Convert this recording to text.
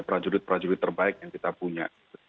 prajurit prajurit terbaik yang kita punya